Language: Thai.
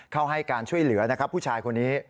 ให้การช่วยเหลือนะครับผู้ชายคนนี้